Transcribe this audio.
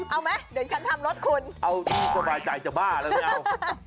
เอาไหมเดี๋ยวฉันทำรถคุณเอาดีสบายใจจะบ้าแล้วไม่เอา